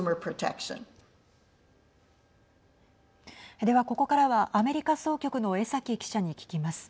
では、ここからはアメリカ総局の江崎記者に聞きます。